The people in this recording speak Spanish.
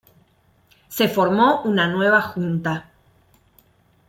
Se formó una nueva junta.